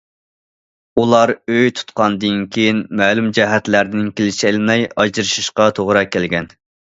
ئۇلار ئۆي تۇتقاندىن كېيىن مەلۇم جەھەتلەردىن كېلىشەلمەي ئاجرىشىشقا توغرا كەلگەن.